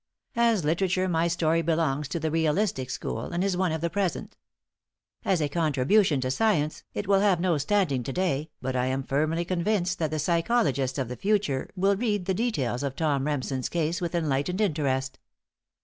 As literature my story belongs to the realistic school and is of the present. As a contribution to science it will have no standing to day, but I am firmly convinced that the psychologists of the future will read the details of Tom Remsen's case with enlightened interest.